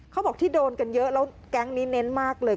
เขาบอกที่โดนกันเยอะแล้วแก๊งนี้เน้นมากเลย